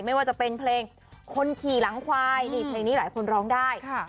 ไม่ว่าจะเป็นเพลงคนขี่หลังควายนี่เพลงนี้หลายคนร้องได้ค่ะ